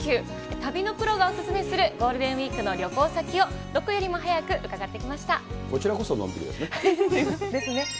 旅のプロがお勧めするゴールデンウィークの旅行先を、どこよりもこちらこそ、のんびりですね。ですね。